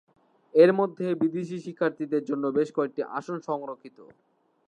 এর মধ্যে বিদেশী শিক্ষার্থীদের জন্য বেশ কয়েকটি আসন সংরক্ষিত।